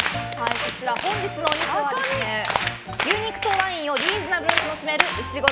こちら、本日のお肉は牛肉とワインをリーズナブルに楽しめるうしごろ